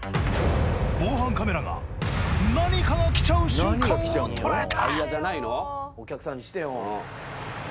防犯カメラが何かが来ちゃう瞬間を捉えた！